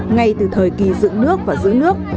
ngay từ thời kỳ dựng nước và giữ nước